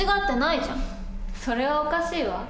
それはおかしいわ。